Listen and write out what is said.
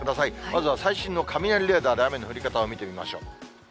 まずは最新の雷レーダーで雨の降り方を見てみましょう。